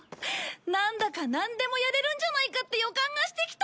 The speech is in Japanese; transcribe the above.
なんだかなんでもやれるんじゃないかって予感がしてきた！